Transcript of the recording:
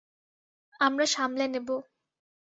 আমরা সামলে নেবো।